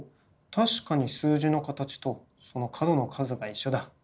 確かに数字の形とその角の数が一緒だ。